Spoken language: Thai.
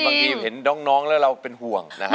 บางทีเห็นน้องแล้วเราเป็นห่วงนะฮะ